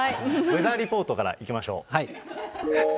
ウェザーリポートからいきましょう。